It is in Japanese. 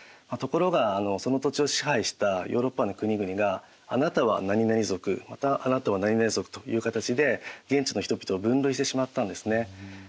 ところがその土地を支配してたヨーロッパの国々があなたはなになに族またあなたはなになに族という形で現地の人々を分類してしまったんですね。